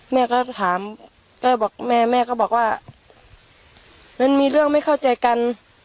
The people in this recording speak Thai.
แม่ก็ถามก็บอกแม่แม่ก็บอกว่ามันมีเรื่องไม่เข้าใจกัน